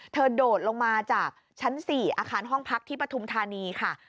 โดดลงมาจากชั้น๔อาคารห้องพักที่ปฐุมธานีค่ะ